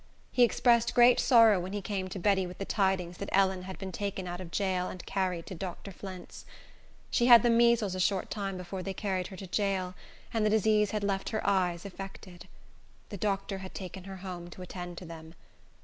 He expressed great sorrow when he came to Betty with the tidings that Ellen had been taken out of jail and carried to Dr. Flint's. She had the measles a short time before they carried her to jail, and the disease had left her eyes affected. The doctor had taken her home to attend to them.